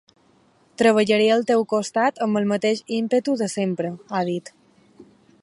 Treballaré al teu costat amb el mateix ímpetu de sempre, ha dit.